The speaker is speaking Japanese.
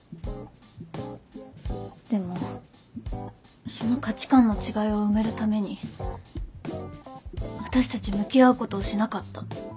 でもその価値観の違いを埋めるために私たち向き合うことをしなかった。